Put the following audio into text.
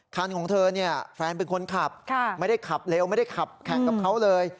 ของเธอเนี่ยแฟนเป็นคนขับไม่ได้ขับเร็วไม่ได้ขับแข่งกับเขาเลย